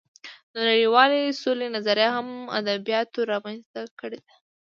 د نړۍوالې سولې نظریه هم ادبیاتو رامنځته کړې ده